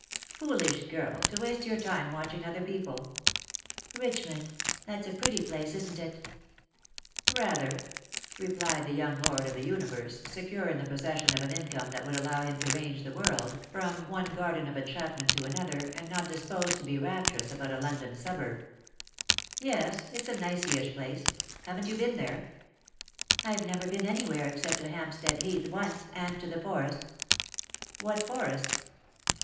" Foolish girl, to waste your time watching other people." " Richmond ! that's a pretty place, isn't it ?"" Rather," replied the young lord of f 'ie universe, secure in the possession of an income that would allow him to range the world, from one garden of enchantment to another, and not disposed to be rapturous about a London suburb. " Yes, it's a niceish place. Haven't you been there ?"" I've never been anywhere, except to Hampstead Heath once, and to the Forest." "What Forest?"